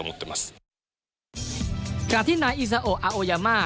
ในปีนี้อีซาโออาโยยาม่า